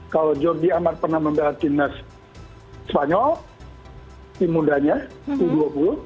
kalau jordi amar pernah membela timnas spanyol tim mudanya u dua puluh